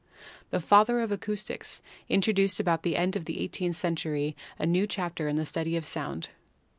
The "father of acoustics" introduced about the end of the eighteenth century a new chapter in the study of sound.